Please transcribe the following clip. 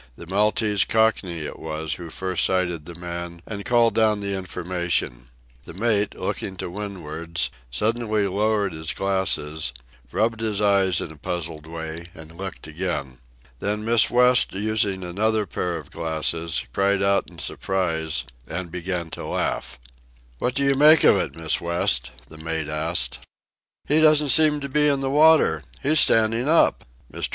The Maltese Cockney it was who first sighted the man and called down the information. The mate, looking to windwards, suddenly lowered his glasses, rubbed his eyes in a puzzled way, and looked again. Then Miss West, using another pair of glasses, cried out in surprise and began to laugh. "What do you make of it, Miss West?" the mate asked. "He doesn't seem to be in the water. He's standing up." Mr.